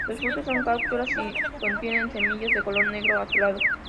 Los frutos son cápsulas y contienen semillas de color negro azulado.